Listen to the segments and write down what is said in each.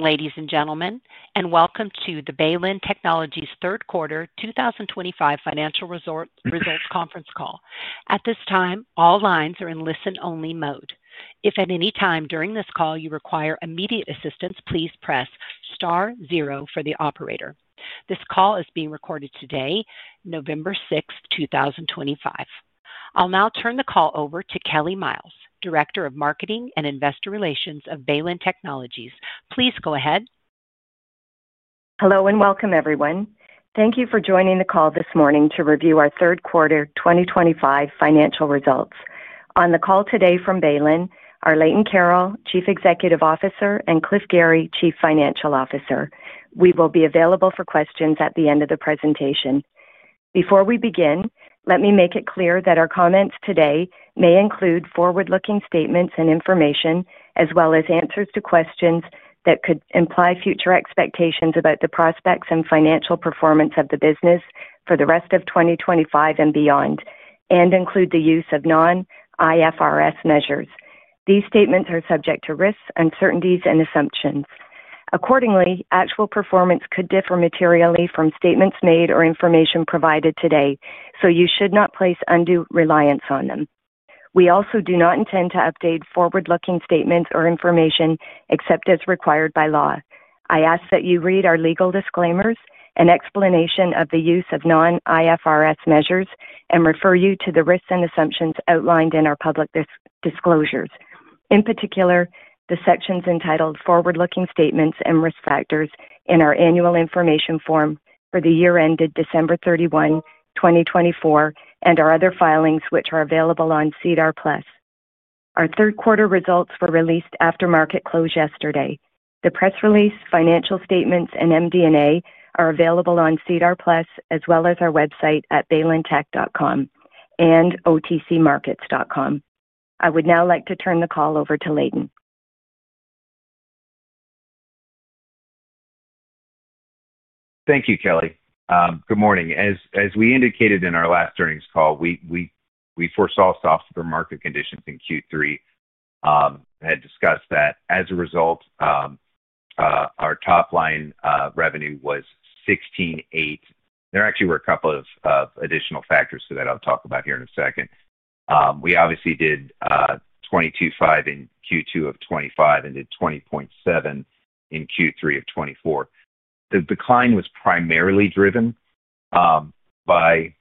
Ladies and gentlemen, and welcome to the Baylin Technologies' third quarter 2025 financial results conference call. At this time, all lines are in listen-only mode. If at any time during this call you require immediate assistance, please press star zero for the operator. This call is being recorded today, November 6th, 2025. I'll now turn the call over to Kelly Myles, Director of Marketing and Investor Relations of Baylin Technologies. Please go ahead. Hello and welcome, everyone. Thank you for joining the call this morning to review our third quarter 2025 financial results. On the call today from Baylin are Leighton Carroll, Chief Executive Officer, and Cliff Gary, Chief Financial Officer. We will be available for questions at the end of the presentation. Before we begin, let me make it clear that our comments today may include forward-looking statements and information, as well as answers to questions that could imply future expectations about the prospects and financial performance of the business for the rest of 2025 and beyond, and include the use of non-IFRS measures. These statements are subject to risks, uncertainties, and assumptions. Accordingly, actual performance could differ materially from statements made or information provided today, so you should not place undue reliance on them. We also do not intend to update forward-looking statements or information except as required by law. I ask that you read our legal disclaimers, an explanation of the use of non-IFRS measures, and refer you to the risks and assumptions outlined in our public disclosures. In particular, the sections entitled Forward-Looking Statements and Risk Factors in our annual information form for the year ended December 31, 2024, and our other filings, which are available on SEDAR+. Our third quarter results were released after market close yesterday. The press release, financial statements, and MD&A are available on SEDAR+, as well as our website at baylintech.com and otcmarkets.com. I would now like to turn the call over to Leighton. Thank you, Kelly. Good morning. As we indicated in our last earnings call, we foresaw softer market conditions in Q3. Had discussed that. As a result, our top-line revenue was 16.8 million. There actually were a couple of additional factors to that I'll talk about here in a second. We obviously did 22.5 million in Q2 of 2025 and did 20.7 million in Q3 of 2024. The decline was primarily driven by,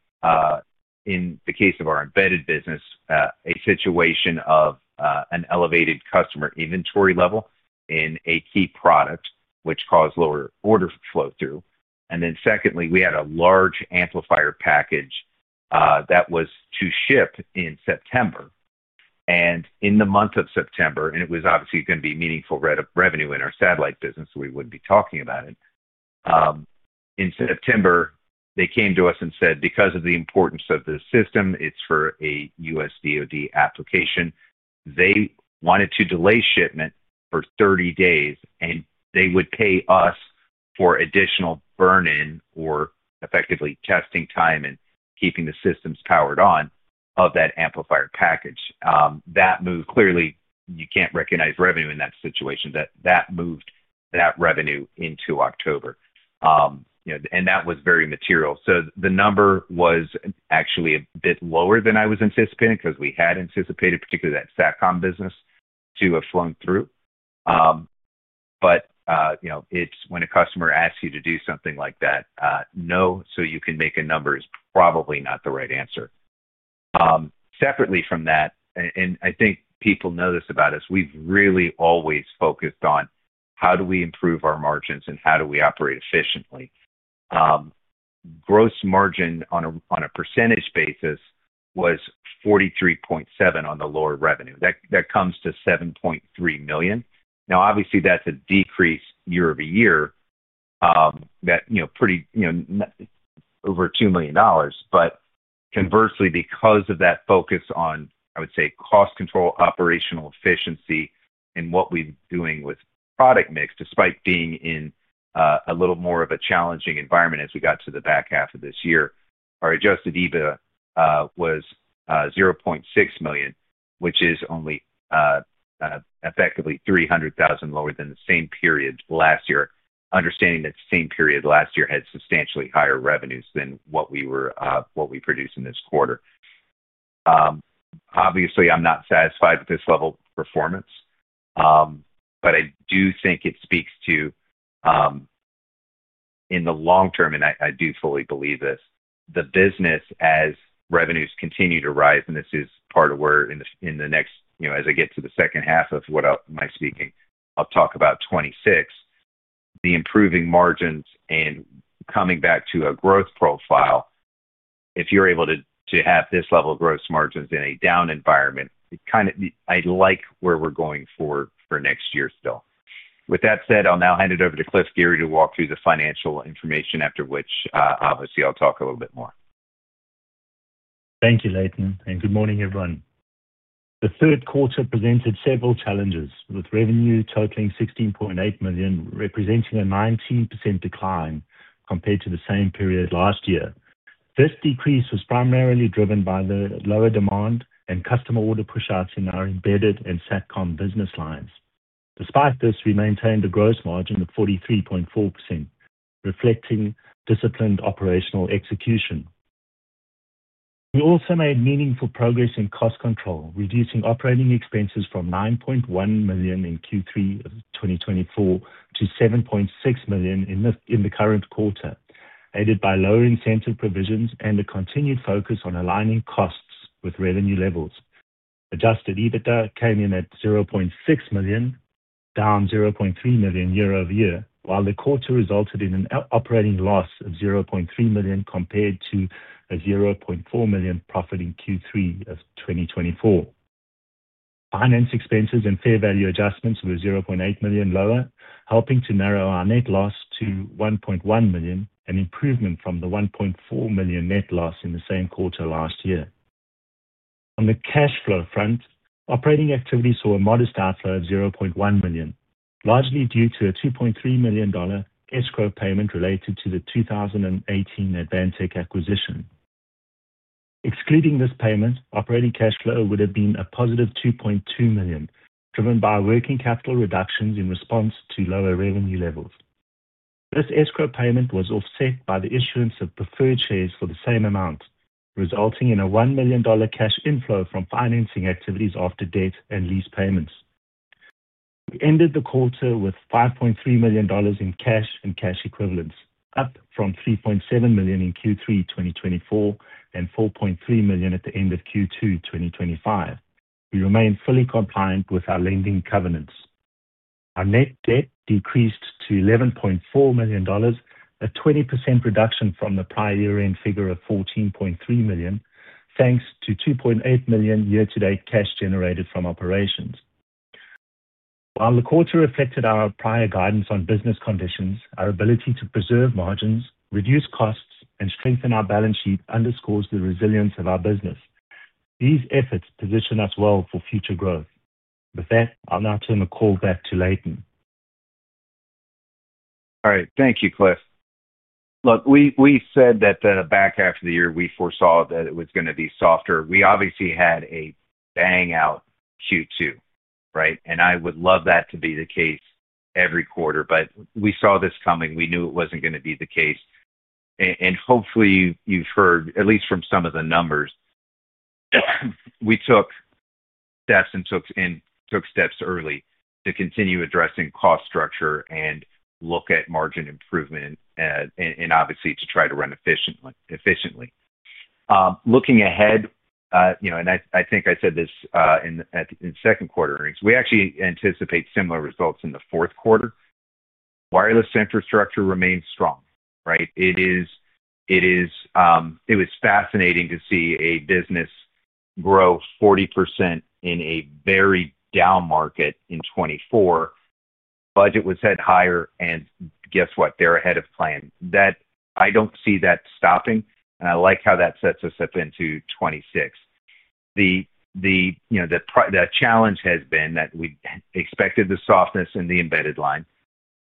in the case of our embedded business, a situation of an elevated customer inventory level in a key product, which caused lower order flow-through. Secondly, we had a large amplifier package that was to ship in September, and in the month of September, and it was obviously going to be meaningful revenue in our satellite business, so we wouldn't be talking about it. In September, they came to us and said, "Because of the importance of the system, it's for a U.S. DoD application." They wanted to delay shipment for 30 days, and they would pay us for additional burn-in or effectively testing time and keeping the systems powered on of that amplifier package. That moved clearly, you can't recognize revenue in that situation. That moved that revenue into October. That was very material. The number was actually a bit lower than I was anticipating because we had anticipated, particularly that SATCOM business to have flown through. When a customer asks you to do something like that. "No, so you can make a number" is probably not the right answer. Separately from that, and I think people know this about us, we've really always focused on how do we improve our margins and how do we operate efficiently. Gross margin on a percentage basis was 43.7% on the lower revenue. That comes to 7.3 million. Now, obviously, that's a decrease year over year. That pretty. Over 2 million dollars. Conversely, because of that focus on, I would say, cost control, operational efficiency, and what we're doing with product mix, despite being in a little more of a challenging environment as we got to the back half of this year, our adjusted EBITDA was 0.6 million, which is only, effectively, 300,000 lower than the same period last year, understanding that the same period last year had substantially higher revenues than what we produced in this quarter. Obviously, I'm not satisfied with this level of performance. I do think it speaks to. In the long term, and I do fully believe this, the business as revenues continue to rise, and this is part of where in the next, as I get to the second half of what I'm speaking, I'll talk about 2026. The improving margins and coming back to a growth profile, if you're able to have this level of gross margins in a down environment, I like where we're going for next year still. With that said, I'll now hand it over to Cliff Gary to walk through the financial information, after which, obviously, I'll talk a little bit more. Thank you, Leighton. Good morning, everyone. The third quarter presented several challenges, with revenue totaling million representing a 19% decline compared to the same period last year. This decrease was primarily driven by the lower demand and customer order push-outs in our embedded and SATCOM business lines. Despite this, we maintained a gross margin of 43.4%, reflecting disciplined operational execution. We also made meaningful progress in cost control, reducing operating expenses from 9.1 million in Q3 of 2024 to 7.6 million in the current quarter, aided by lower incentive provisions and a continued focus on aligning costs with revenue levels. Adjusted EBITDA came in at 0.6 million, down 0.3 million year over year, while the quarter resulted in an operating loss of 0.3 million compared to a 0.4 million profit in Q3 of 2024. Finance expenses and fair value adjustments were 0.8 million lower, helping to narrow our net loss to 1.1 million, an improvement from the 1.4 million net loss in the same quarter last year. On the cash flow front, operating activity saw a modest outflow of 0.1 million, largely due to a 2.3 million dollar escrow payment related to the 2018 Advantech acquisition. Excluding this payment, operating cash flow would have been a positive 2.2 million, driven by working capital reductions in response to lower revenue levels. This escrow payment was offset by the issuance of preferred shares for the same amount, resulting in a 1 million dollar cash inflow from financing activities after debt and lease payments. We ended the quarter with 5.3 million dollars in cash and cash equivalents, up from 3.7 million in Q3 2024 and 4.3 million at the end of Q2 2025. We remained fully compliant with our lending covenants. Our net debt decreased to 11.4 million dollars, a 20% reduction from the prior year-end figure of 14.3 million, thanks to 2.8 million year-to-date cash generated from operations. While the quarter reflected our prior guidance on business conditions, our ability to preserve margins, reduce costs, and strengthen our balance sheet underscores the resilience of our business. These efforts position us well for future growth. With that, I'll now turn the call back to Leighton. All right. Thank you, Cliff. Look, we said that back after the year we foresaw that it was going to be softer. We obviously had a bang-out Q2, right? I would love that to be the case every quarter. We saw this coming. We knew it was not going to be the case. Hopefully, you have heard, at least from some of the numbers. We took steps and took steps early to continue addressing cost structure and look at margin improvement. Obviously, to try to run efficiently. Looking ahead, and I think I said this in the second quarter earnings, we actually anticipate similar results in the fourth quarter. Wireless infrastructure remains strong, right? It was fascinating to see a business grow 40% in a very down market in 2024. The budget was set higher, and guess what? They are ahead of plan. I don't see that stopping, and I like how that sets us up into 2026. The challenge has been that we expected the softness in the embedded line.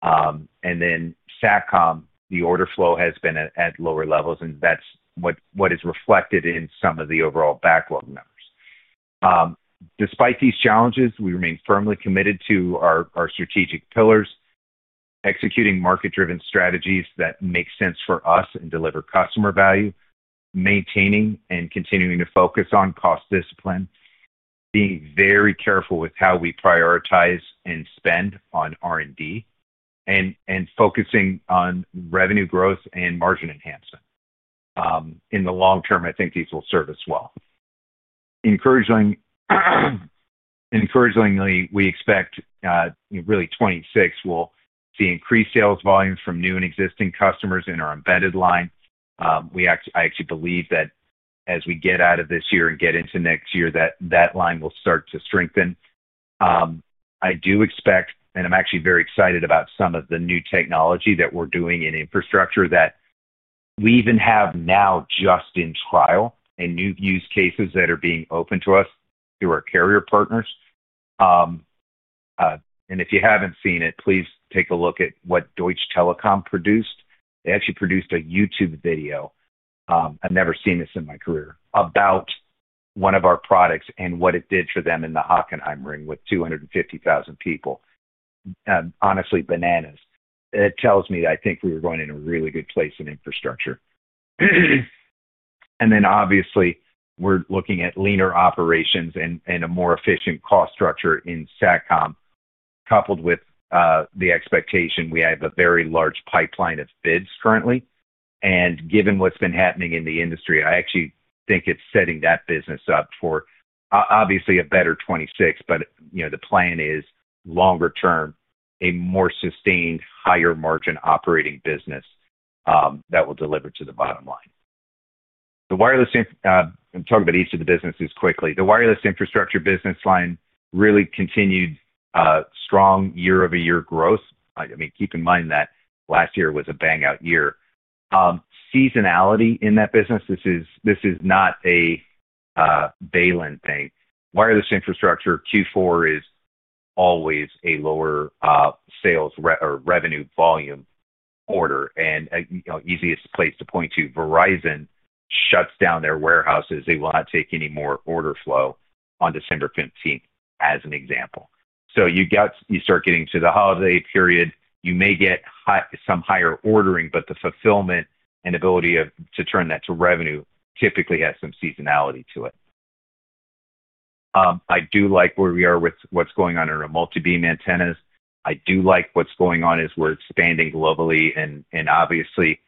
And then SATCOM, the order flow has been at lower levels, and that's what is reflected in some of the overall backlog numbers. Despite these challenges, we remain firmly committed to our strategic pillars, executing market-driven strategies that make sense for us and deliver customer value, maintaining and continuing to focus on cost discipline, being very careful with how we prioritize and spend on R&D, and focusing on revenue growth and margin enhancement. In the long term, I think these will serve us well. Encouragingly, we expect really 2026, we'll see increased sales volumes from new and existing customers in our embedded line. I actually believe that as we get out of this year and get into next year, that line will start to strengthen. I do expect, and I'm actually very excited about some of the new technology that we're doing in infrastructure that. We even have now just in trial and new use cases that are being opened to us through our carrier partners. If you haven't seen it, please take a look at what Deutsche Telekom produced. They actually produced a YouTube video. I've never seen this in my career, about one of our products and what it did for them in the Hockenheimring with 250,000 people. Honestly, bananas. It tells me that I think we were going in a really good place in infrastructure. Obviously, we're looking at leaner operations and a more efficient cost structure in SATCOM, coupled with the expectation we have a very large pipeline of bids currently. Given what's been happening in the industry, I actually think it's setting that business up for, obviously, a better 2026, but the plan is, longer term, a more sustained, higher-margin operating business. That will deliver to the bottom line. I'm talking about each of the businesses quickly. The wireless infrastructure business line really continued. Strong year-over-year growth. I mean, keep in mind that last year was a bang-out year. Seasonality in that business, this is not a Baylin thing. Wireless infrastructure Q4 is always a lower sales or revenue volume order. Easiest place to point to, Verizon shuts down their warehouses. They will not take any more order flow on December 15, as an example. You start getting to the holiday period. You may get some higher ordering, but the fulfillment and ability to turn that to revenue typically has some seasonality to it. I do like where we are with what's going on in our multibeam antennas. I do like what's going on as we're expanding globally. Obviously,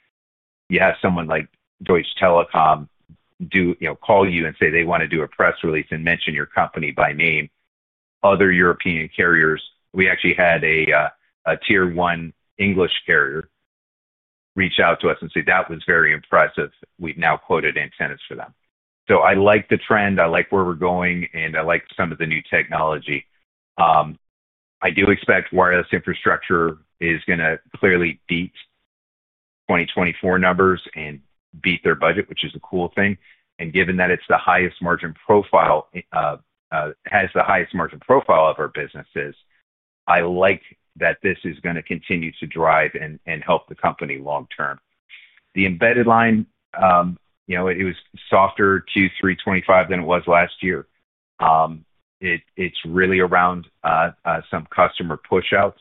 you have someone like Deutsche Telekom call you and say they want to do a press release and mention your company by name. Other European carriers, we actually had a tier-one English carrier reach out to us and say, "That was very impressive. We've now quoted antennas for them." I like the trend. I like where we're going, and I like some of the new technology. I do expect wireless infrastructure is going to clearly beat 2024 numbers and beat their budget, which is a cool thing. Given that it is the highest margin profile, has the highest margin profile of our businesses, I like that this is going to continue to drive and help the company long term. The embedded line, it was softer Q3 2025 than it was last year. It is really around some customer push-outs.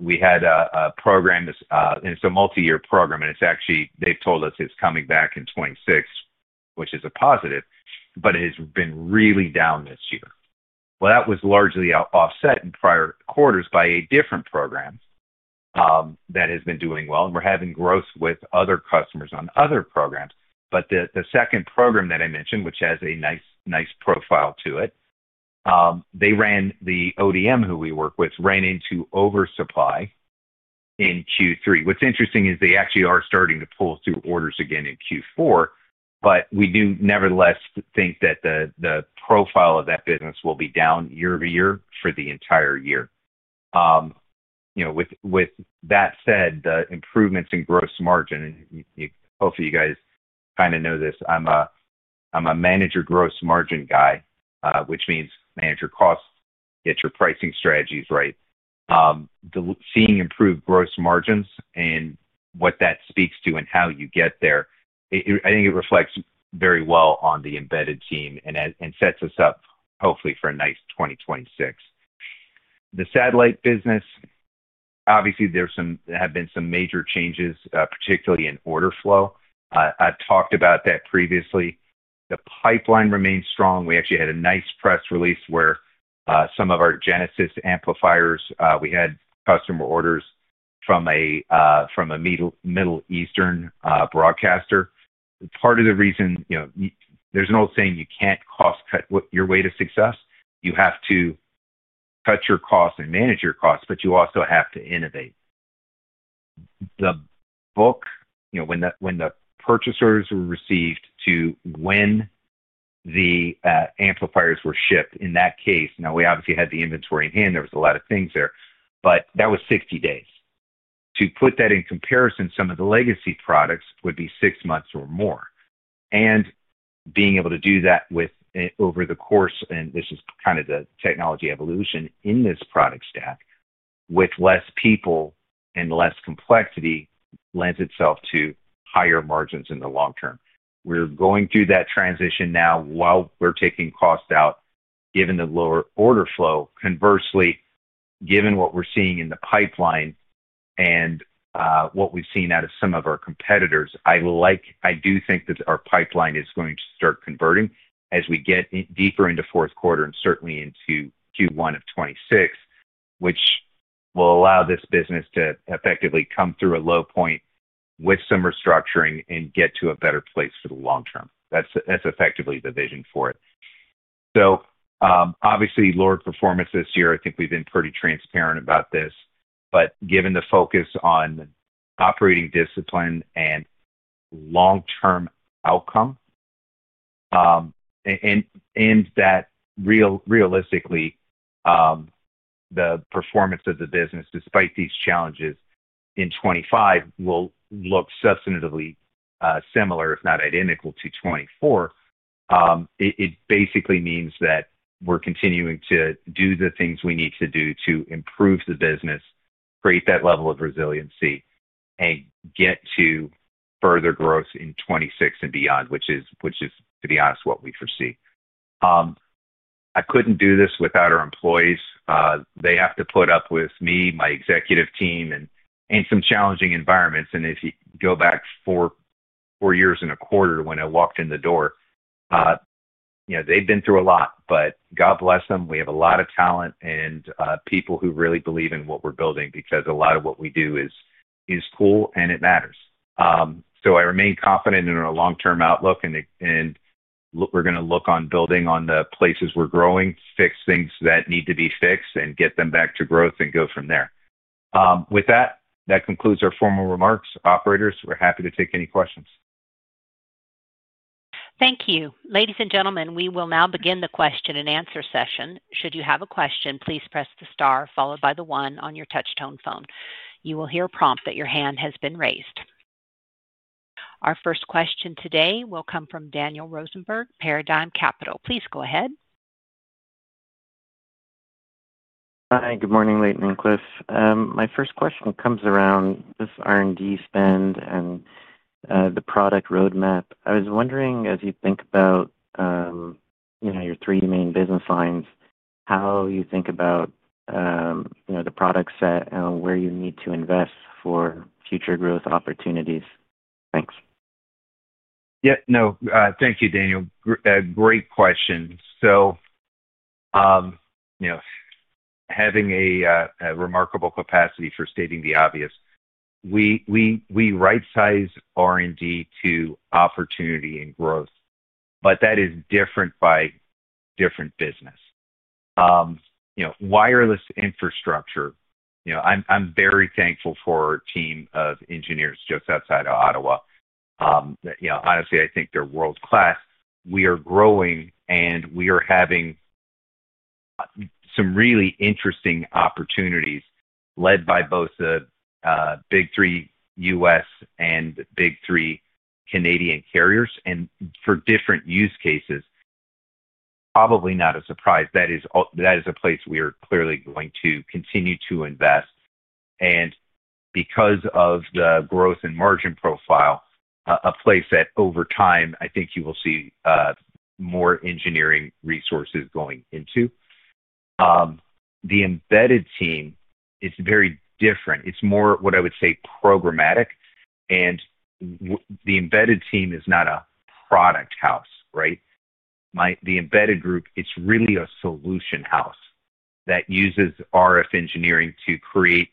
We had a program, and it is a multi-year program, and they have told us it is coming back in 2026, which is a positive, but it has been really down this year. That was largely offset in prior quarters by a different program that has been doing well. We are having growth with other customers on other programs. The second program that I mentioned, which has a nice profile to it, the ODM who we work with ran into oversupply in Q3. What's interesting is they actually are starting to pull through orders again in Q4, but we do nevertheless think that the profile of that business will be down year over year for the entire year. With that said, the improvements in gross margin, and hopefully, you guys kind of know this, I'm a manager gross margin guy, which means manage your costs, get your pricing strategies right. Seeing improved gross margins and what that speaks to and how you get there, I think it reflects very well on the embedded team and sets us up, hopefully, for a nice 2026. The satellite business. Obviously, there have been some major changes, particularly in order flow. I've talked about that previously. The pipeline remains strong. We actually had a nice press release where some of our Genesis amplifiers, we had customer orders from a Middle Eastern broadcaster. Part of the reason, there's an old saying, "You can't cost cut your way to success." You have to cut your costs and manage your costs, but you also have to innovate. The book, when the purchasers were received to when the amplifiers were shipped, in that case, now, we obviously had the inventory in hand. There was a lot of things there. That was 60 days. To put that in comparison, some of the legacy products would be six months or more. Being able to do that over the course, and this is kind of the technology evolution in this product stack, with less people and less complexity, lends itself to higher margins in the long term. We're going through that transition now while we're taking costs out, given the lower order flow. Conversely, given what we're seeing in the pipeline and what we've seen out of some of our competitors, I do think that our pipeline is going to start converting as we get deeper into fourth quarter and certainly into Q1 of 2026, which will allow this business to effectively come through a low point with some restructuring and get to a better place for the long term. That's effectively the vision for it. Obviously, lower performance this year. I think we've been pretty transparent about this. Given the focus on operating discipline and long-term outcome, and that, realistically, the performance of the business, despite these challenges in 2025, will look substantively similar, if not identical, to 2024. It basically means that we're continuing to do the things we need to do to improve the business. Create that level of resiliency, and get to further growth in 2026 and beyond, which is, to be honest, what we foresee. I could not do this without our employees. They have to put up with me, my executive team, and some challenging environments. If you go back four years and a quarter when I walked in the door, they have been through a lot, but God bless them. We have a lot of talent and people who really believe in what we are building because a lot of what we do is cool and it matters. I remain confident in our long-term outlook, and we are going to look on building on the places we are growing, fix things that need to be fixed, and get them back to growth and go from there. With that, that concludes our formal remarks. Operators, we are happy to take any questions. Thank you. Ladies and gentlemen, we will now begin the question and answer session. Should you have a question, please press the star followed by the one on your touch-tone phone. You will hear a prompt that your hand has been raised. Our first question today will come from Daniel Rosenberg, Paradigm Capital. Please go ahead. Hi. Good morning, Leighton and Cliff. My first question comes around this R&D spend and the product roadmap. I was wondering, as you think about your three main business lines, how you think about the product set and where you need to invest for future growth opportunities. Thanks. Yeah. No. Thank you, Daniel. Great question. Having a remarkable capacity for stating the obvious. We right-size R&D to opportunity and growth, but that is different by different business. Wireless infrastructure, I'm very thankful for our team of engineers just outside of Ottawa. Honestly, I think they're world-class. We are growing, and we are having some really interesting opportunities led by both the Big Three US and Big Three Canadian carriers and for different use cases. Probably not a surprise. That is a place we are clearly going to continue to invest. Because of the growth and margin profile, a place that over time, I think you will see more engineering resources going into. The embedded team is very different. It's more what I would say programmatic. The embedded team is not a product house, right? The embedded group, it's really a solution house that uses RF engineering to create.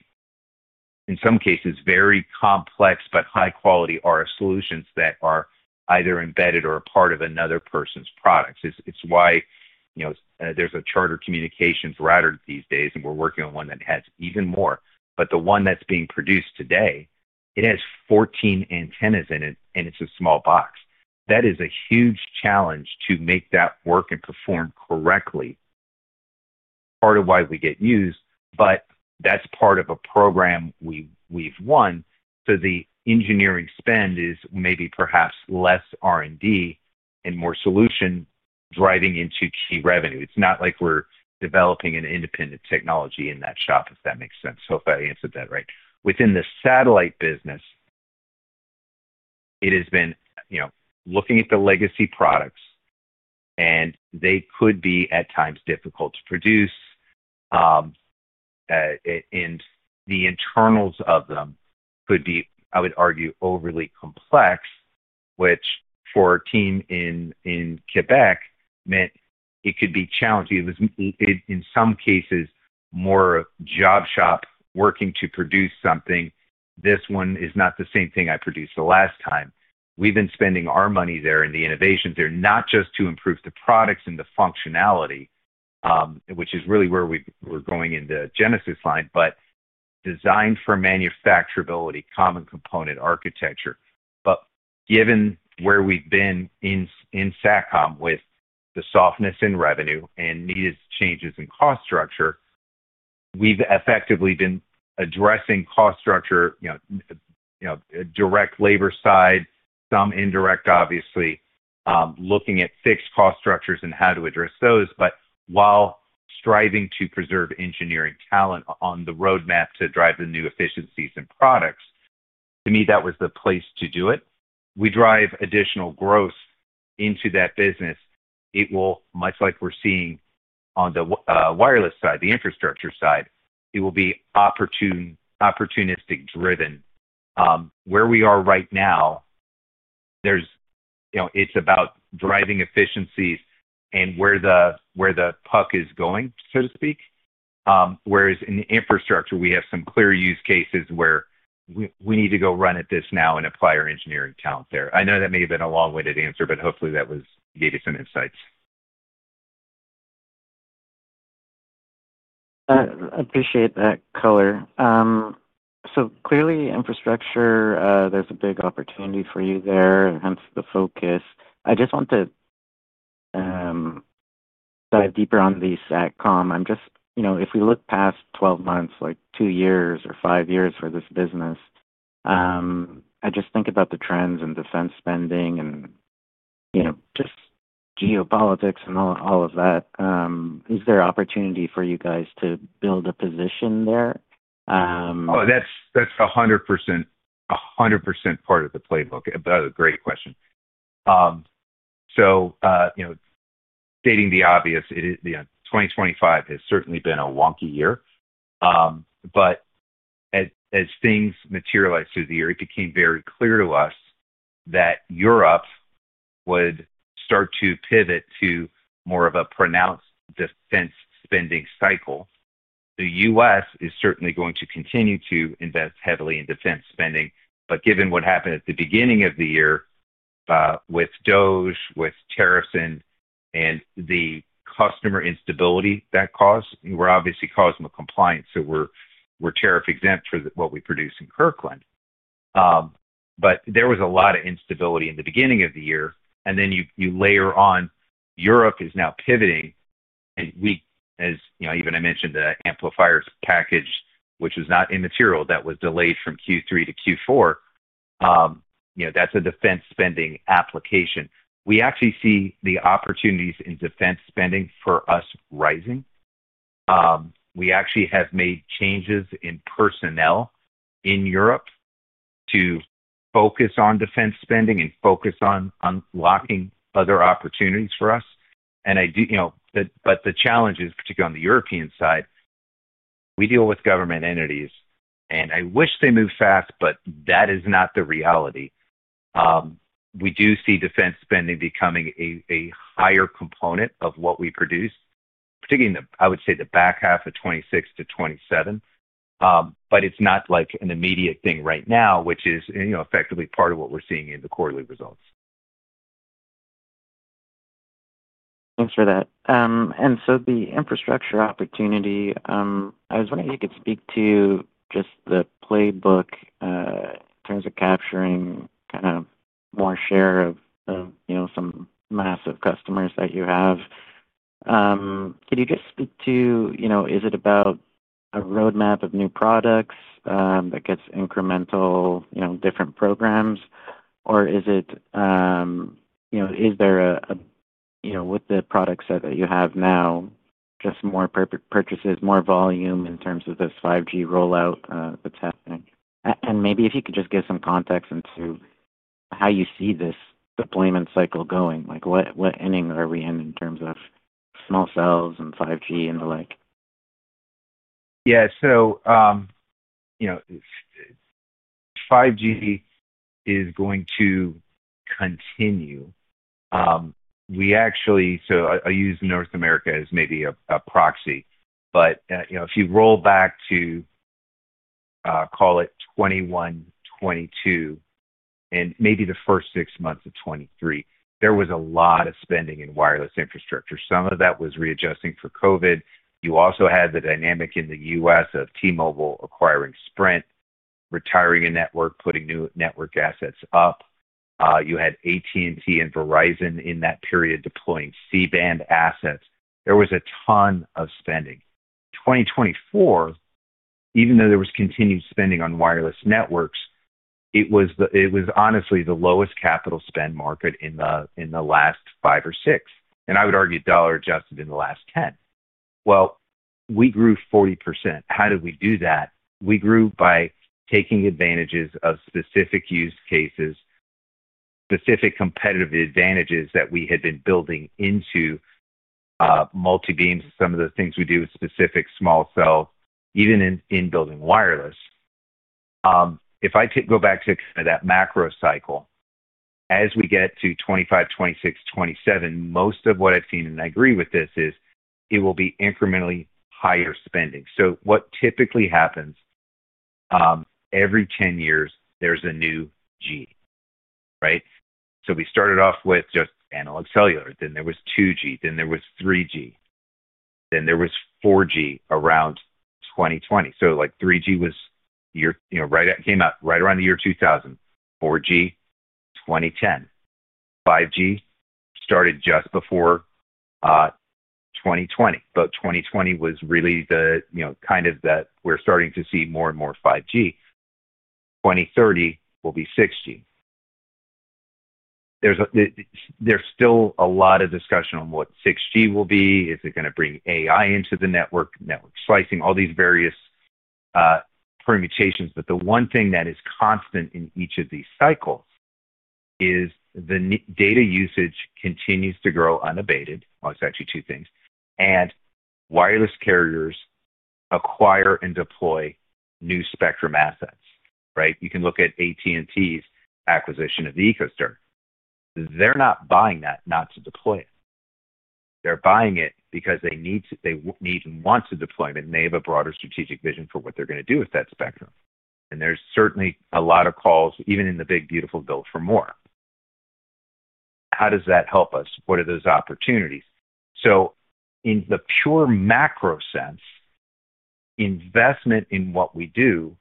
In some cases, very complex but high-quality RF solutions that are either embedded or a part of another person's products. It's why there's a Charter Communications router these days, and we're working on one that has even more. The one that's being produced today, it has 14 antennas in it, and it's a small box. That is a huge challenge to make that work and perform correctly. Part of why we get used, but that's part of a program we've won. The engineering spend is maybe perhaps less R&D and more solution driving into key revenue. It's not like we're developing an independent technology in that shop, if that makes sense. Hope I answered that right. Within the satellite business. It has been. Looking at the legacy products, they could be at times difficult to produce. The internals of them could be, I would argue, overly complex, which for our team in Quebec meant it could be challenging. It was, in some cases, more of a job shop working to produce something. This one is not the same thing I produced the last time. We've been spending our money there and the innovations there not just to improve the products and the functionality, which is really where we're going in the Genesis line, but design for manufacturability, common component architecture. Given where we've been in SATCOM with the softness in revenue and needed changes in cost structure, we've effectively been addressing cost structure. Direct labor side, some indirect, obviously, looking at fixed cost structures and how to address those. While striving to preserve engineering talent on the roadmap to drive the new efficiencies and products, to me, that was the place to do it. We drive additional growth into that business. It will, much like we're seeing on the wireless side, the infrastructure side, be opportunistic-driven. Where we are right now, it's about driving efficiencies and where the puck is going, so to speak. Whereas in the infrastructure, we have some clear use cases where we need to go run at this now and apply our engineering talent there. I know that may have been a long-winded answer, but hopefully, that gave you some insights. I appreciate that color. Clearly, infrastructure, there's a big opportunity for you there, hence the focus. I just want to dive deeper on the SATCOM. If we look past 12 months, like two years or five years for this business, I just think about the trends in defense spending and just geopolitics and all of that. Is there opportunity for you guys to build a position there? Oh, that's 100%. 100% part of the playbook. That's a great question. Stating the obvious, 2025 has certainly been a wonky year. As things materialized through the year, it became very clear to us that Europe would start to pivot to more of a pronounced defense spending cycle. The U.S. is certainly going to continue to invest heavily in defense spending. Given what happened at the beginning of the year with DOGE, with TerraSync, and the customer instability that caused, we're obviously causing a compliance. We're tariff-exempt for what we produce in Kirkland. There was a lot of instability in the beginning of the year. You layer on Europe is now pivoting. As even I mentioned, the amplifiers package, which was not immaterial, that was delayed from Q3 to Q4. That's a defense spending application. We actually see the opportunities in defense spending for us rising. We actually have made changes in personnel in Europe to focus on defense spending and focus on unlocking other opportunities for us. The challenge is, particularly on the European side, we deal with government entities, and I wish they move fast, but that is not the reality. We do see defense spending becoming a higher component of what we produce, particularly, I would say, the back half of 2026 to 2027. It is not like an immediate thing right now, which is effectively part of what we're seeing in the quarterly results. Thanks for that. The infrastructure opportunity, I was wondering if you could speak to just the playbook. In terms of capturing kind of more share of some massive customers that you have, could you just speak to, is it about a roadmap of new products that gets incremental different programs, or is it, is there a, with the product set that you have now, just more purchases, more volume in terms of this 5G rollout that's happening? Maybe if you could just give some context into how you see this deployment cycle going. What inning are we in in terms of small cells and 5G and the like? Yeah. 5G is going to continue. I use North America as maybe a proxy. If you roll back to, call it 2021, 2022, and maybe the first six months of 2023, there was a lot of spending in wireless infrastructure. Some of that was readjusting for COVID. You also had the dynamic in the U.S. of T-Mobile acquiring Sprint, retiring a network, putting new network assets up. You had AT&T and Verizon in that period deploying C-band assets. There was a ton of spending. 2024, even though there was continued spending on wireless networks, it was honestly the lowest capital spend market in the last five or six. I would argue dollar adjusted in the last ten. We grew 40%. How did we do that? We grew by taking advantages of specific use cases, specific competitive advantages that we had been building into. Multi-beams, some of the things we do with specific small cell, even in building wireless. If I go back to kind of that macro cycle, as we get to 2025, 2026, 2027, most of what I've seen, and I agree with this, is it will be incrementally higher spending. What typically happens, every 10 years, there's a new G, right? We started off with just analog cellular. Then there was 2G. Then there was 3G. Then there was 4G around 2020. 3G came out right around the year 2000. 4G, 2010. 5G started just before 2020. 2020 was really kind of that we're starting to see more and more 5G. 2030 will be 6G. There's still a lot of discussion on what 6G will be. Is it going to bring AI into the network, network slicing, all these various permutations? The one thing that is constant in each of these cycles is the data usage continues to grow unabated. Actually, it's two things. Wireless carriers acquire and deploy new spectrum assets, right? You can look at AT&T's acquisition of the EchoStar. They're not buying that not to deploy it. They're buying it because they need and want to deploy it, and they have a broader strategic vision for what they're going to do with that spectrum. There is certainly a lot of calls, even in the big, beautiful build for more. How does that help us? What are those opportunities? In the pure macro sense, investment in what we do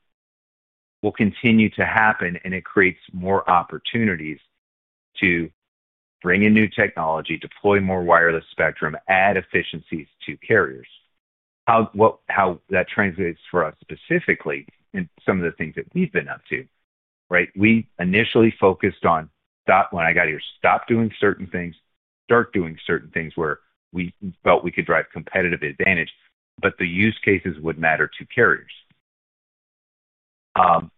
will continue to happen, and it creates more opportunities to bring in new technology, deploy more wireless spectrum, add efficiencies to carriers. How that translates for us specifically in some of the things that we've been up to, right? We initially focused on, when I got here, stop doing certain things, start doing certain things where we felt we could drive competitive advantage, but the use cases would matter to carriers.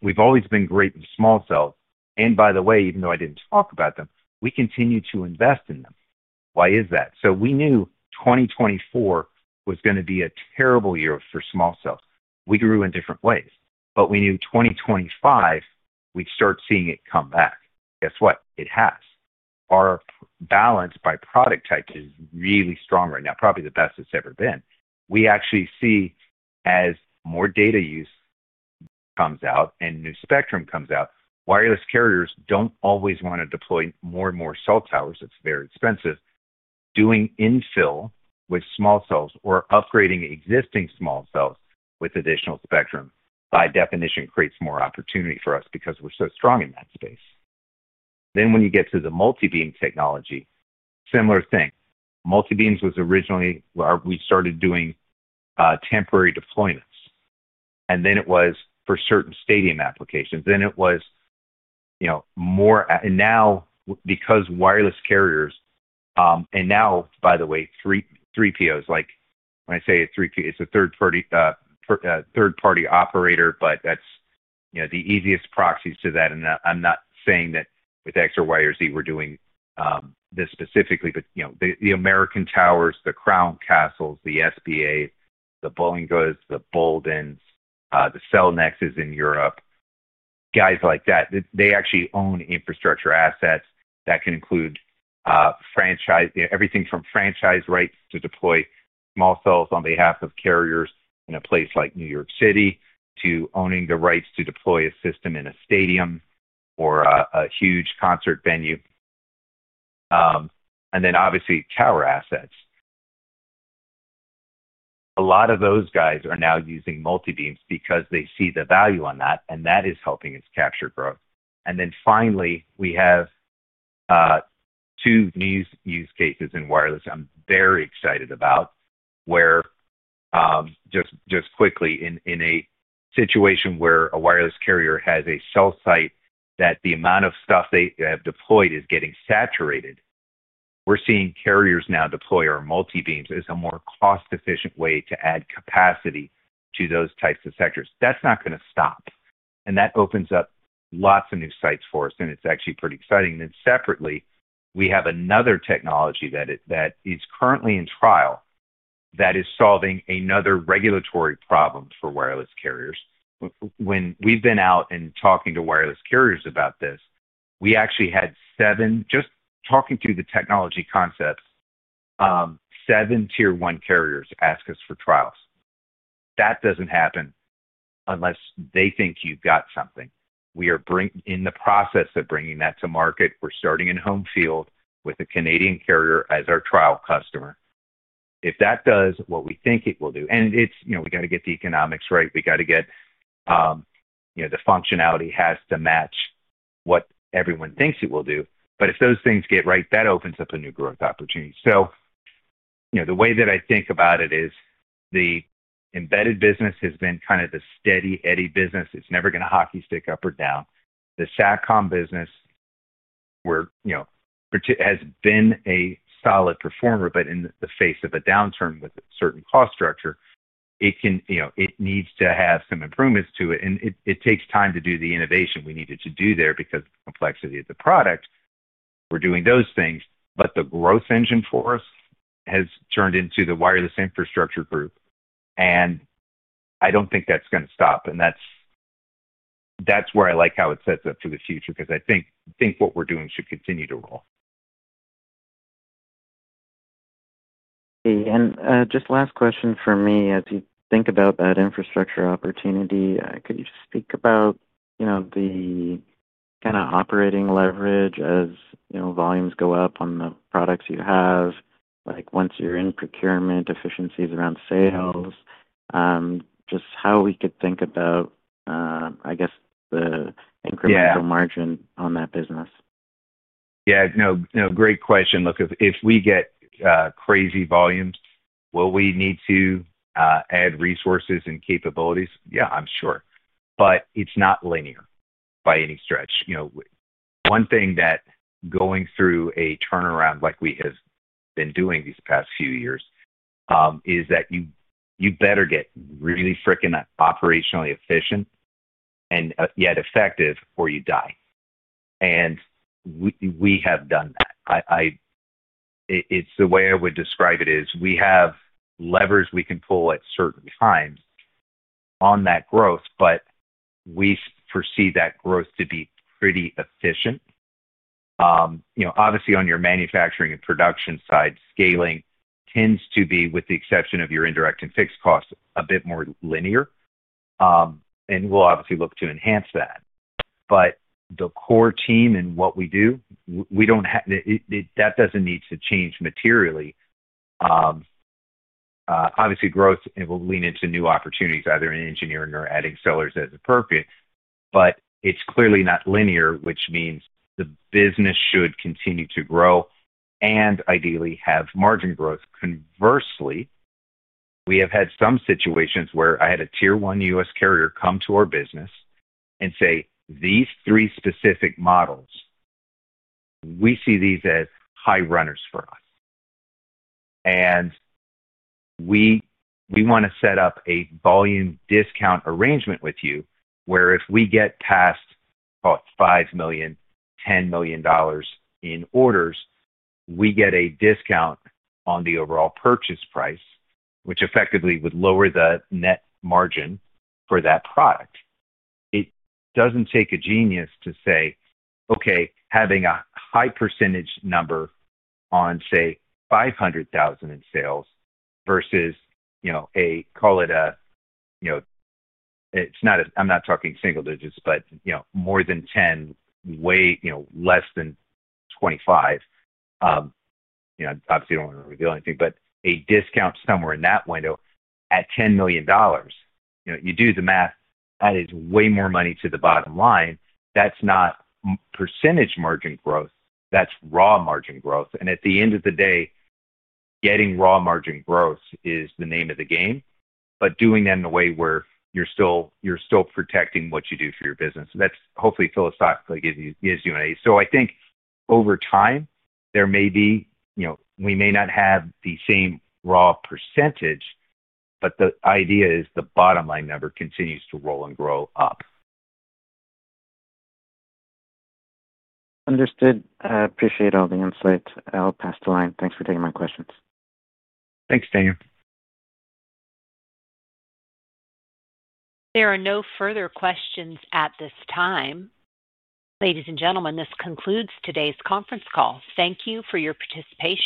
We've always been great in small cell. And by the way, even though I didn't talk about them, we continue to invest in them. Why is that? We knew 2024 was going to be a terrible year for small cell. We grew in different ways. We knew 2025, we'd start seeing it come back. Guess what? It has. Our balance by product type is really strong right now, probably the best it's ever been. We actually see as more data use. Comes out and new spectrum comes out, wireless carriers don't always want to deploy more and more cell towers. It's very expensive. Doing infill with small cells or upgrading existing small cells with additional spectrum by definition creates more opportunity for us because we're so strong in that space. When you get to the multibeam technology, similar thing. Multibeams was originally where we started doing temporary deployments. Then it was for certain stadium applications. Then it was more. Now, because wireless carriers, and now, by the way, 3POS—when I say 3POS, it's a third-party operator, but that's the easiest proxies to that. I'm not saying that with X or Y or Z we're doing this specifically, but the American Towers, the Crown Castles, the SBA, the Boingos, the Boldyns, the Cellnexes in Europe. Guys like that, they actually own infrastructure assets that can include everything from franchise rights to deploy small cells on behalf of carriers in a place like New York City to owning the rights to deploy a system in a stadium or a huge concert venue. Obviously, tower assets. A lot of those guys are now using multi-beams because they see the value on that, and that is helping its capture growth. Finally, we have two new use cases in wireless I'm very excited about. Where, just quickly, in a situation where a wireless carrier has a cell site that the amount of stuff they have deployed is getting saturated, we're seeing carriers now deploy our multi-beams as a more cost-efficient way to add capacity to those types of sectors. That's not going to stop. That opens up lots of new sites for us, and it's actually pretty exciting. Separately, we have another technology that is currently in trial that is solving another regulatory problem for wireless carriers. When we've been out and talking to wireless carriers about this, we actually had seven, just talking through the technology concepts. Seven tier one carriers ask us for trials. That does not happen unless they think you've got something. We are in the process of bringing that to market. We're starting in home field with a Canadian carrier as our trial customer. If that does what we think it will do, and we got to get the economics right, we got to get the functionality has to match what everyone thinks it will do. If those things get right, that opens up a new growth opportunity. The way that I think about it is the embedded business has been kind of the steady eddy business. It's never going to hockey stick up or down. The SATCOM business has been a solid performer, but in the face of a downturn with a certain cost structure, it needs to have some improvements to it. It takes time to do the innovation we needed to do there because of the complexity of the product. We're doing those things, but the growth engine for us has turned into the wireless infrastructure group. I don't think that's going to stop. That's where I like how it sets up for the future because I think what we're doing should continue to roll. Just last question for me, as you think about that infrastructure opportunity, could you just speak about the kind of operating leverage as volumes go up on the products you have, like once you're in procurement, efficiencies around sales. Just how we could think about, I guess, the incremental margin on that business. Yeah. No, great question. Look, if we get crazy volumes, will we need to add resources and capabilities? Yeah, I'm sure. It is not linear by any stretch. One thing that going through a turnaround like we have been doing these past few years is that you better get really fricking operationally efficient and yet effective or you die. We have done that. The way I would describe it is we have levers we can pull at certain times on that growth, but we foresee that growth to be pretty efficient. Obviously, on your manufacturing and production side, scaling tends to be, with the exception of your indirect and fixed costs, a bit more linear. We will obviously look to enhance that. The core team and what we do, we do not have. That does not need to change materially. Obviously, growth will lean into new opportunities, either in engineering or adding sellers as appropriate. It is clearly not linear, which means the business should continue to grow and ideally have margin growth. Conversely, we have had some situations where I had a Tier 1 US carrier come to our business and say, "These three specific models, we see these as high runners for us, and we want to set up a volume discount arrangement with you where if we get past 5 million, 10 million dollars in orders, we get a discount on the overall purchase price," which effectively would lower the net margin for that product. It does not take a genius to say, "Okay, having a high percentage number on, say, 500,000 in sales versus, a, call it a. It's not a—I’m not talking single digits, but more than 10, way less than 25. Obviously, I don't want to reveal anything, but a discount somewhere in that window at 10 million dollars. You do the math, that is way more money to the bottom line. That's not percentage margin growth. That's raw margin growth. At the end of the day, getting raw margin growth is the name of the game, but doing them in a way where you're still protecting what you do for your business. That hopefully philosophically gives you an aid. I think over time, there may be—we may not have the same raw percentage, but the idea is the bottom line number continues to roll and grow up. Understood. Appreciate all the insights. I'll pass the line. Thanks for taking my questions. Thanks, Daniel. There are no further questions at this time. Ladies and gentlemen, this concludes today's conference call. Thank you for your participation.